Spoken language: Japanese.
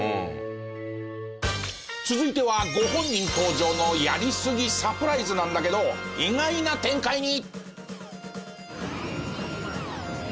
続いてはご本人登場のやりすぎサプライズなんだけど意外な展開に！